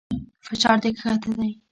فشار دې کښته دى.